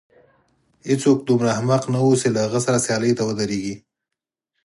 هېڅوک دومره احمق نه و چې له هغه سره سیالۍ ته ودرېږي.